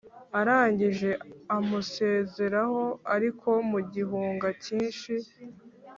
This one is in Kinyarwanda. arangije amusezeraho ariko mugihunga cyinshi,